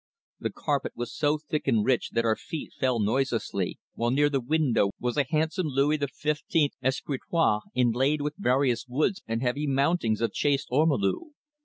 The carpet was so thick and rich that our feet fell noiselessly, while near the window was a handsome Louis XV escritoire inlaid with various woods and heavy mountings of chased ormolu.